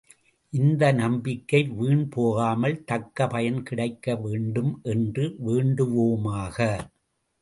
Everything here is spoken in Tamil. இந்த நம்பிக்கை வீண் போகாமல் தக்க பயன் கிடைக்க வேண்டும் என்று வேண்டுவோமாக!